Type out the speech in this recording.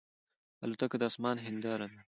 الوتکه د آسمان هنداره ده.